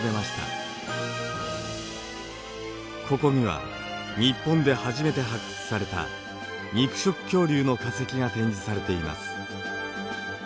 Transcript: ここには日本で初めて発掘された肉食恐竜の化石が展示されています。